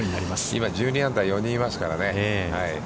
今、１２アンダーが４人いますからね。